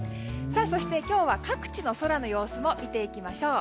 そして今日は各地の空の様子も見ていきましょう。